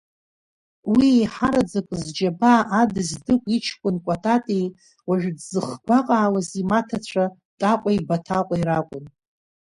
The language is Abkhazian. Уи еиҳараӡак зџьабаа адыз Дыгә иҷкәын Кәатати, уажә дзыхгәаҟаауаз имаҭацәа Ҭаҟәеи Баҭаҟәеи ракәын.